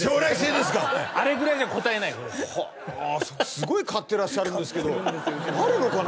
すごい買ってらっしゃるんですがあるのかな？